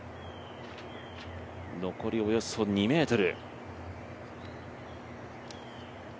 残りおよそ２ｍ。